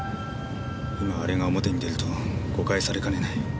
今あれが表に出ると誤解されかねない。